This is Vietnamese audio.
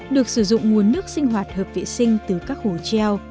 được sử dụng nguồn nước sinh hoạt hợp vệ sinh từ các hồ treo